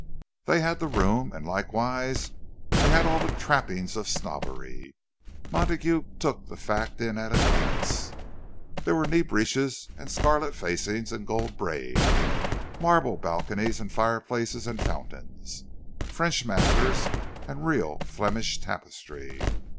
They had the room; and likewise they had all the trappings of snobbery—Montague took that fact in at a glance. There were knee breeches and scarlet facings and gold braid—marble balconies and fireplaces and fountains—French masters and real Flemish tapestry.